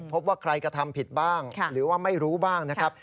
พบว่าใครกระทำผิดบ้างหรือว่าไม่รู้บ้างนะครับ